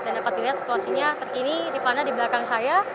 dan dapat dilihat situasinya terkini rifana di belakang saya